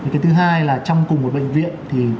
cái thứ hai là chăm cùng một bệnh viện